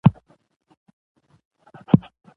کلي د افغانستان طبعي ثروت دی.